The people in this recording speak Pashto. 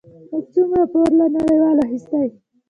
موږ څومره پور له نړیوالو اخیستی؟